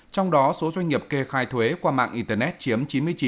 trong đó số doanh nghiệp kê khai thuế qua mạng internet chiếm chín mươi chín chín mươi chín